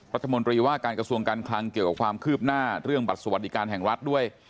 รัฐมนตรีว่าการกระทรวงการคลังเกี่ยวกับความคืบหน้าเรื่องบัตรสวัสดิการแห่งรัฐด้วย